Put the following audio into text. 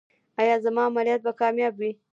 ایا زما عملیات به کامیابه وي؟